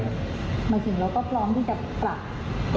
หมายถึงเราก็พร้อมที่จะปรับ